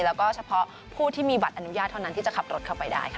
แล้วก็เฉพาะผู้ที่มีบัตรอนุญาตเท่านั้นที่จะขับรถเข้าไปได้ค่ะ